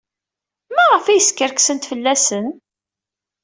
Maɣef ay skerksent fell-asen?